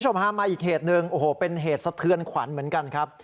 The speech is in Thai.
พามาอีกเหตุหนึ่งโอ้โหเป็นเหตุสะเทือนขวัญเหมือนกันครับ